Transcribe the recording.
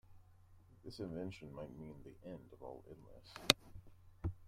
This invention might mean the end of all illness.